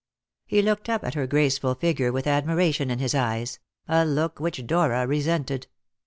He looked up at her graceful figure with admiration in his eyes a look which Dora resented.